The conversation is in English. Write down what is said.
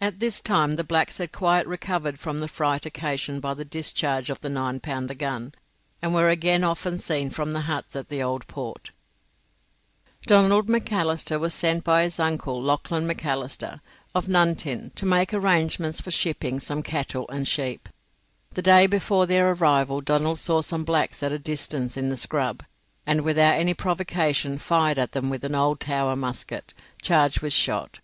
At this time the blacks had quite recovered from the fright occasioned by the discharge of the nine pounder gun, and were again often seen from the huts at the Old Port. Donald Macalister was sent by his uncle, Lachlan Macalister, of Nuntin, to make arrangements for shipping some cattle and sheep. The day before their arrival Donald saw some blacks at a distance in the scrub, and without any provocation fired at them with an old Tower musket, charged with shot.